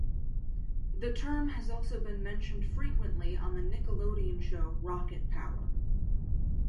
The term has also been mentioned frequently on the Nickelodeon show "Rocket Power".